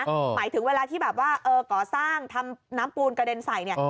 หมายถึงเวลาที่แบบว่าก่อสร้างทำน้ำปูนกระเด็นใส่เนี่ย